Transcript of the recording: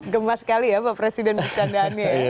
gemah sekali ya pak presiden bercandaannya ya